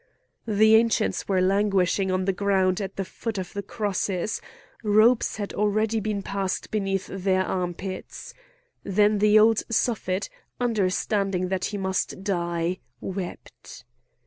The Ancients were languishing on the ground at the foot of the crosses; ropes had already been passed beneath their armpits. Then the old Suffet, understanding that he must die, wept.